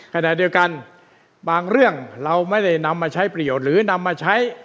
ขณะเดียวกันบางเรื่องเราไม่ได้นำมาใช้ประโยชน์หรือนำมาใช้